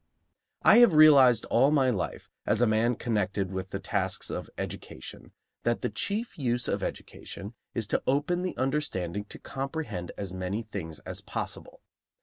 I have realized all my life, as a man connected with the tasks of education, that the chief use of education is to open the understanding to comprehend as many things as possible.